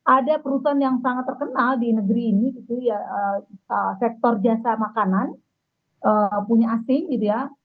ada perusahaan yang sangat terkenal di negeri ini gitu ya sektor jasa makanan punya asing gitu ya